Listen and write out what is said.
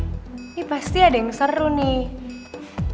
ini pasti ada yang seru nih